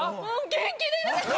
元気です！